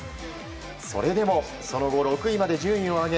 それでもその後６位まで順位を上げ